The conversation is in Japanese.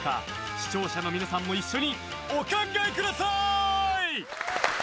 視聴者の皆さんも一緒にお考えください！